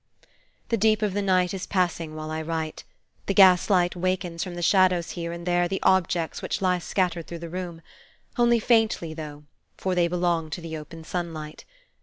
The deep of the night is passing while I write. The gas light wakens from the shadows here and there the objects which lie scattered through the room: only faintly, though; for they belong to the open sunlight.